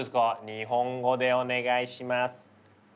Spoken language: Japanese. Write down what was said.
日本語でお願いします！